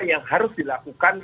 yang harus dilakukan